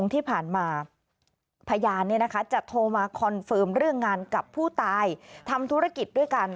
ที่ผ่านมาพยานจะโทรมาคอนเฟิร์มเรื่องงานกับผู้ตายทำธุรกิจด้วยกัน